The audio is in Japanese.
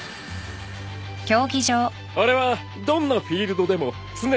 俺はどんなフィールドでも常に王者として。